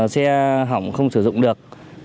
xe hỏng không sử dụng được